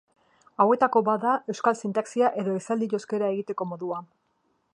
Hauetako bat da euskal sintaxia edo esaldi-joskera egiteko modua.